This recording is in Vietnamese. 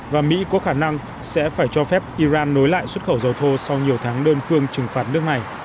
và mỹ có khả năng sẽ phải cho phép iran nối lại xuất khẩu dầu thô sau nhiều tháng đơn phương trừng phạt nước này